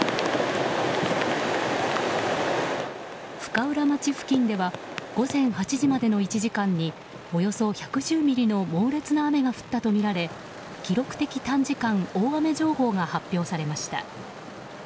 深浦町付近では午前８時までの１時間におよそ１１０ミリの猛烈な雨が降ったとみられ記録的短時間大雨情報が発表されました。